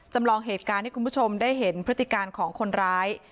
จำลองเหตุการณ์ให้คุณผู้ชมได้เห็นพฤติการของคนร้าย